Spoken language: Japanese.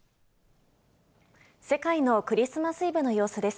世界のクリスマスイブの様子です。